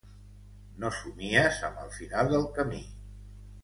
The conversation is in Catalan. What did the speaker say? No somies amb el final del camí.